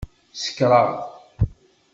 Sekṛeɣ.